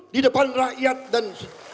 di depan rakyat dan